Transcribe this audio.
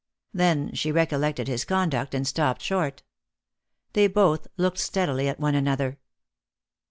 Then she recollected his conduct, and stopped short. They both looked steadily at one another.